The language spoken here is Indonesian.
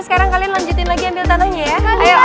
sekarang kalian lanjutin lagi ambil tanahnya yah